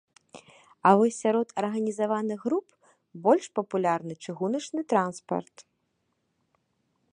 А вось сярод арганізаваных груп больш папулярны чыгуначны транспарт.